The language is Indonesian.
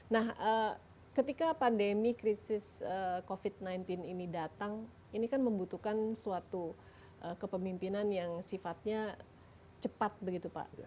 nah ketika pandemi krisis covid sembilan belas ini datang ini kan membutuhkan suatu kepemimpinan yang sifatnya cepat begitu pak